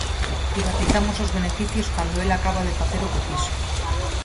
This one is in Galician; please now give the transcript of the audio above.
Privatizamos os beneficios cando el acaba de facer o que fixo.